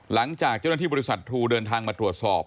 หลังจากเจ้าหน้าที่บริษัททรูเดินทางมาตรวจสอบ